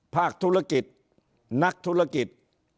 ภาคธุรกิจนักธุรกิจ